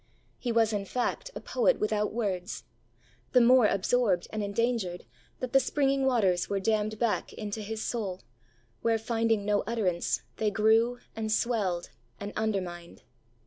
He was in fact a poet without words; the more absorbed and endangered, that the springing waters were dammed back into his soul, where, finding no utterance, they grew, and swelled, and undermined.